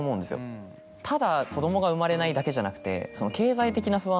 ただ子どもが生まれないだけじゃなくて。